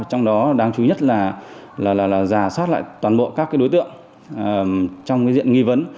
trong đó đáng chú ý nhất là giả soát lại toàn bộ các đối tượng trong diện nghi vấn